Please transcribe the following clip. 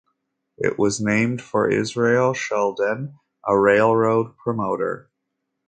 It was named for Israel Sheldon, a railroad promoter.